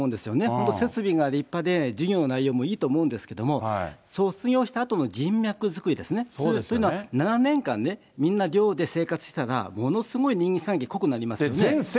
本当、設備が立派で、授業の内容もいいと思うんですけれども、卒業したあとの人脈作りですね、というのは、７年間ね、みんな寮で生活したら、ものすごい人間関係が濃くなりますよね。